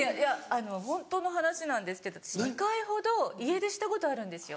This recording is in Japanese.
ホントの話なんですけど私２回ほど家出したことあるんですよ。